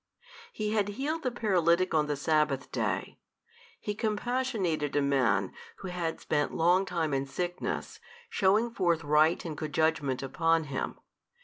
He had healed the paralytic on the Sabbath day, He compassionated a man who had spent long time in sickness, shewing forth right and good judgment upon him.